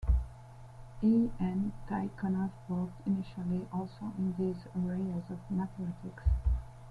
A. N. Tikhonov worked initially also in these areas of mathematics.